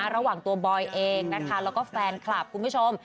ระหว่างตัวบอยเองนะคะแล้วก็แฟนคลับคุณผู้ชม